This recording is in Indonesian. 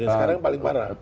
sekarang paling parah